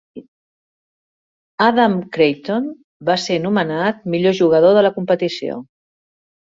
Adam Creighton va ser nomenat millor jugador de la competició.